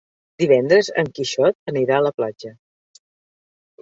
Divendres en Quixot anirà a la platja.